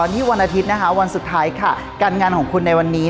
นี่วันอาทิตย์นะคะวันสุดท้ายค่ะการงานของคุณในวันนี้